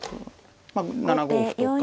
まあ７五歩とか。